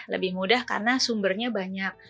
lebih mudah karena sumbernya banyak